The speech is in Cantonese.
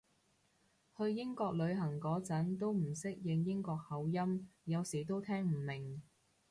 去英國旅行嗰陣都唔適應英國口音，有時都聽唔明